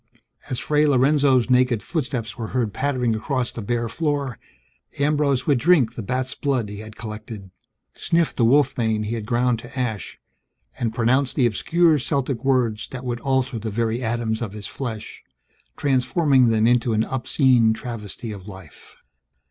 As Fray Lorenzo's naked footsteps were heard pattering across the bare floor, Ambrose would drink the bat's blood he had collected, sniff the wolfbane he had ground to ash, and pronounce the obscure Celtic words that would alter the very atoms of his flesh, transforming them into an obscene travesty of life.